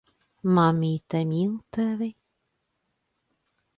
Mammīte mīl tevi.